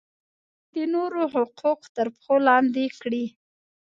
د نورو حقوق تر پښو لاندې کړي.